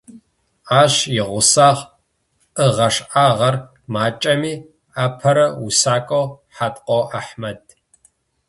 Ащ игъусагъ, ыгъэшӏагъэр макӏэми апэрэ усакӏоу Хьаткъо Ахьмэд.